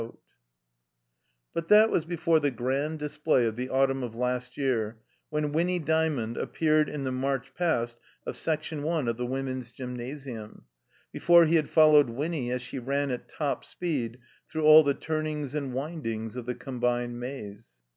., lo THE COMBINED MAZE But that was before the Grand Display of the autumn of last year, when Winny Djmiond appeared in the March Past of Section I of the Women's Gymnasium; before he had followed Winny as she ran at top speed through all the turnings and wind ings of the Combined Maze.